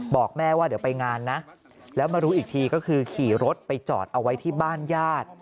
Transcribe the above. บอกแม่ว่าเดี๋ยวไปงานนะแล้วมารู้อีกทีก็คือขี่รถไปจอดเอาไว้ที่บ้านญาติ